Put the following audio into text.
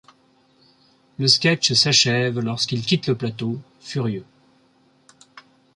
Le sketch s’achève lorsqu’il quitte le plateau, furieux.